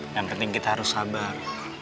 yang penting kita harus sabar